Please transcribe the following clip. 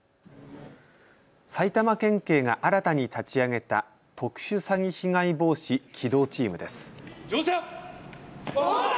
埼玉県警が新たに立ち上げた特殊詐欺被害防止機動チームです。